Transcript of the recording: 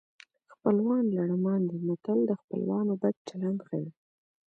خپلوان لړمان دي متل د خپلوانو بد چلند ښيي